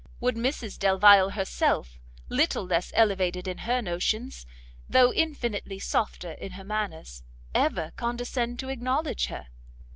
would Mrs Delvile herself, little less elevated in her notions, though infinitely softer in her manners, ever condescend to acknowledge her?